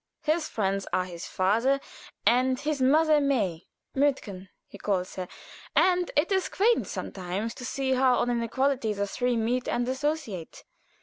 His friends are his father and "Mother May" Mütterchen he calls her; and it is quaint sometimes to see how on an equality the three meet and associate.